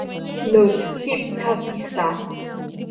Los Sd.Kfz.